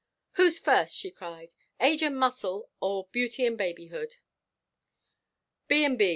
"Who's first?" she cried. "Age and muscle, or beauty and babyhood?" "B. and B.